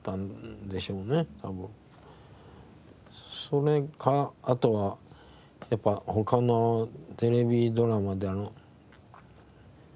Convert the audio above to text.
それかあとはやっぱ他のテレビドラマであの『池袋ウエスト』。